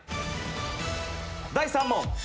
第３問。